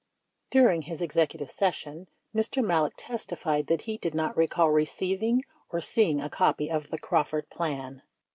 During his Executive Session, Mr. Malek testified that he did not recall receiving or seeing a copy of the "Crawford Plan."